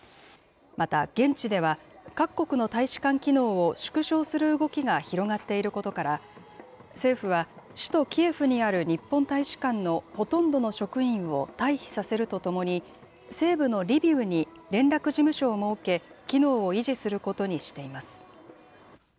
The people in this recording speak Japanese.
また、現地では、各国の大使館機能を縮小する動きが広がっていることから、政府は首都キエフにある日本大使館のほとんどの職員を退避させるとともに、西部のリビウに連絡事務所を設け、機能を維持することにしています。